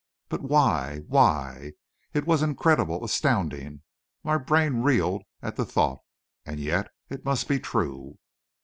But why why! It was incredible, astounding, my brain reeled at the thought. And yet it must be true!